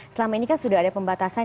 selama ini kan sudah ada pembatasan